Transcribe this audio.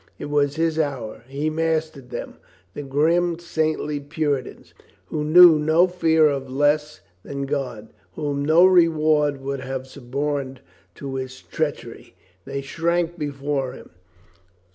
It was his hour. He mastered them. The grim, saintly Puritans, who knew no fear of less than God, whom no reward would have suborned to his treach ery, they shrank before him.